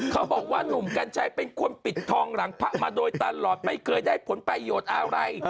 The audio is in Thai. เขาบอกว่าหนุ่มกัญชัยเป็นคนปิดทองหลังพระมาโดยตลอดไม่เคยได้ผลประโยชน์อะไร